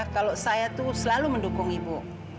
kalau saya itu selalu mendukung ibu